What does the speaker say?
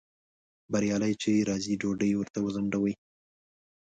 بریالی چې راځي ډوډۍ ورته وځنډوئ